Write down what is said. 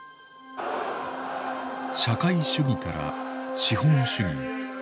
社会主義から資本主義へ。